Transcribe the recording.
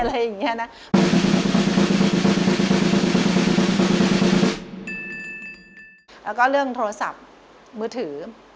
แล้วก็เรื่องโทรศัพท์มือถือ